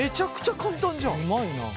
うまいな。